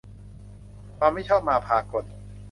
ความไม่ชอบมาพากล